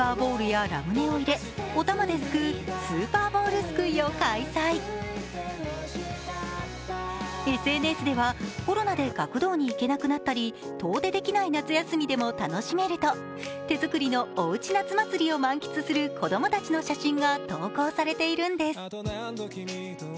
今、子供たちに大人気のお祭りというのが、ＳＮＳではコロナで学童に行けなくなったり遠出できない夏休みでも楽しめると手作りのおうち夏休みを満喫する子供たちの写真が投稿されているんです。